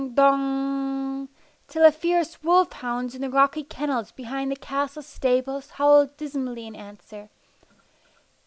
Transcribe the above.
Dong! Till the fierce wolf hounds in the rocky kennels behind the castle stables howled dismally in answer.